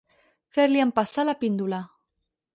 Fer-li empassar la píndola.